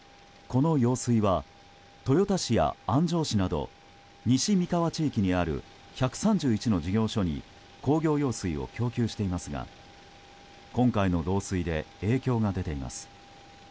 この用水は豊田市や安城市など西三河地域にある１３１の事業所に工業用水を供給していますが今回の漏水で影響が出ています。